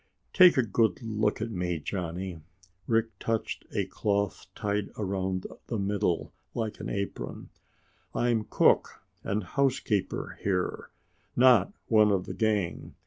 "Take a good look at me, Johnny." Rick touched a cloth tied around his middle like an apron. "I'm cook and housekeeper here, not one of the gang.